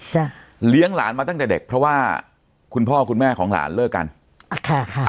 เลี้ยงหลานมาตั้งแต่เด็กเพราะว่าคุณพ่อคุณแม่ของหลานเลิกกันค่ะค่ะ